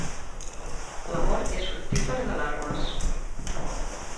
L'amor és fructífer d'alarmes.